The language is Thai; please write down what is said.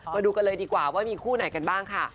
มาดูกันเลยดีกว่าว่ามีคู่ไหนกันบ้างค่ะ